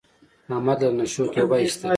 احمد له نشو توبه ایستله.